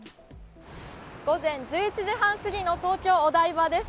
午前１１時半過ぎの東京・お台場です。